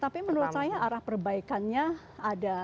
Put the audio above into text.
tapi menurut saya arah perbaikannya ada